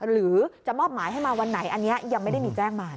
หรือจะมอบหมายให้มาวันไหนอันนี้ยังไม่ได้มีแจ้งมา